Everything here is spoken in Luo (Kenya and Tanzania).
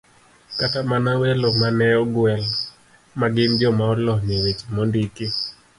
Kata mana welo ma ne ogwel, ma gin joma olony e weche mondiki